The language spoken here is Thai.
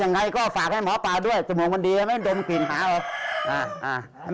ยังไงก็ฝากให้หมอปลาด้วยจมูกมันดีไม่ดมกลิ่นหาเลย